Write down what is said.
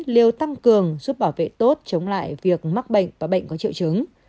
liều tăng cường giúp bảo vệ tốt chống lại việc mắc bệnh và bệnh có triệu chứng